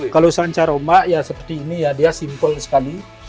kalau sanca roma ya seperti ini ya dia simpel sekali